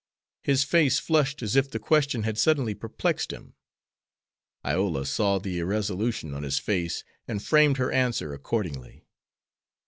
His face flushed as if the question had suddenly perplexed him. Iola saw the irresolution on his face, and framed her answer accordingly.